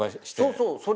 そうそう。